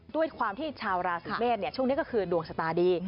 ด้วยความที่ชาวราศีเมษช่วงนี้ก็คือดวงชะตาดี